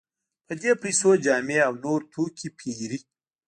په دې پیسو جامې او نور توکي پېري.